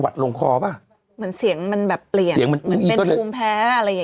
หวัดลงคอป่ะเหมือนเสียงมันแบบเปลี่ยนเหมือนเป็นภูมิแพ้อะไรอย่างงี้